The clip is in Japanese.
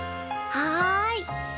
はい。